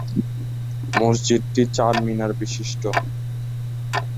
মসজিদটি চার-মিনার বিশিষ্ট।